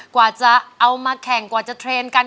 กว่าจะเอามาแข่งกว่าจะเทรนด์กัน